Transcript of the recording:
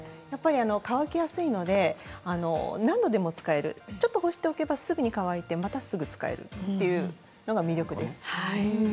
乾きやすいので何度でも使えるちょっと干しておけばすぐに乾いてまたすぐに使えるというのが魅力です。